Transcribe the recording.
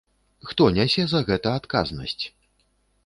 Хто нясе за гэта адказнасць?